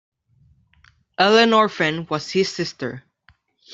Ellenor Fenn was his sister.